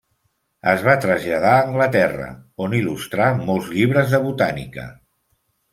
Es va traslladar a Anglaterra on il·lustrà molts llibres de botànica.